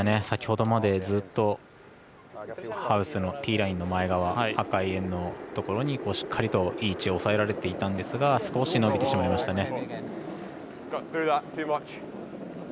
先ほどまでずっとハウスのティーラインの前側赤い円のところに、しっかりといい位置を押さえられていたんですが少し、伸びてしまいました。